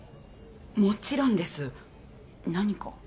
もちろんです何か？